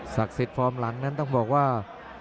สิทธิ์ฟอร์มหลังนั้นต้องบอกว่า